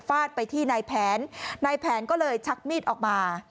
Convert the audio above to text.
ฟาดไปที่นายแผนนายแผนก็เลยชักมีดออกมา